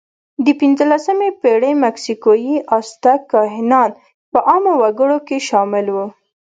د پینځلسمې پېړۍ مکسیکويي آزتک کاهنان په عامو وګړو کې شامل وو.